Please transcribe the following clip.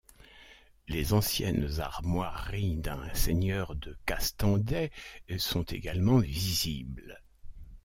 Les anciennes armoiries d’un seigneur de Castandet sont également visibles.